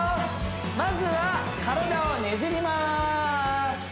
まずは体をねじります